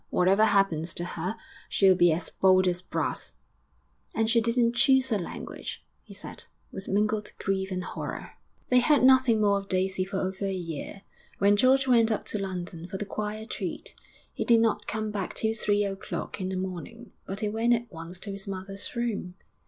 Whatever happens to her, she'll be as bold as brass.' 'And she didn't choose her language,' he said, with mingled grief and horror. They heard nothing more of Daisy for over a year, when George went up to London for the choir treat. He did not come back till three o'clock in the morning, but he went at once to his mother's room.